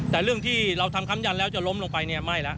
แต่เรื่องที่เราทำค้ำยันแล้วจะล้มลงไปเนี่ยไม่แล้ว